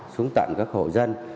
xuống tận các hộ dân